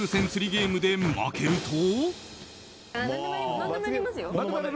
ゲームで負けると。